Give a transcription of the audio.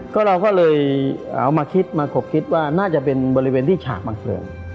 ก็เราก็เลยเอามาคิดมาขบคิดว่าน่าจะเป็นบริเวณที่ฉากบางส่วน